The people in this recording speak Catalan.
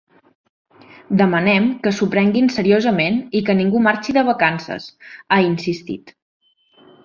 Demanem que s’ho prenguin seriosament i que ningú marxi de vacances, ha insistit.